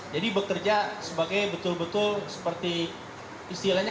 jadi bekerja sebagai betul betul seperti istilahnya